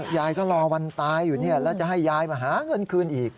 ยายก็รอวันตายอยู่แล้วจะให้ยายมาหาเงินคืนอีก